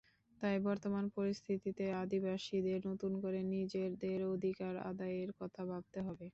তাই বর্তমান পরিস্থিতিতে আদিবাসীদের নতুন করে নিজেদের অধিকার আদায়ের কথা ভাবতে হবে।